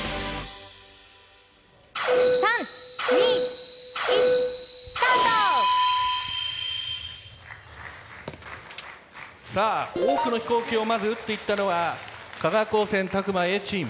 さあ多くの飛行機をまず撃っていったのは香川高専詫間Ａチーム。